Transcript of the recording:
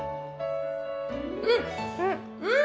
うん！